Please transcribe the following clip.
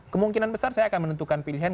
kemungkinan besar saya akan menentukan pilihan